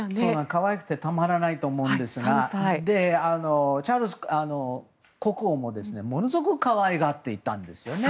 可愛くてたまらないと思うんですがチャールズ国王もものすごく可愛がっていました。